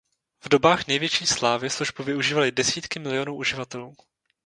V dobách největší slávy službu využívaly desítky milionů uživatelů.